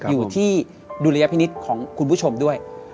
อยู่ที่ดุลยพินิษฐ์ของคุณผู้ชมด้วย